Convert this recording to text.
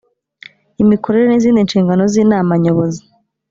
imikorere n izindi nshingano z inama nyobozi